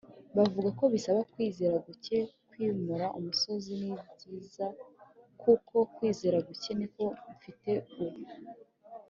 bavuga ko bisaba kwizera guke kwimura umusozi nibyiza kuko kwizera guke niko mfite ubu,